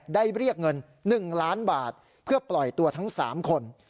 เรียกเงิน๑ล้านบาทเพื่อปล่อยตัวทั้ง๓คน